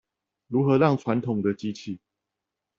如何讓傳統的機器